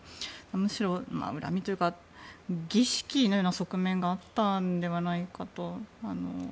むしろ、恨みというか儀式のような側面があったんではないかと。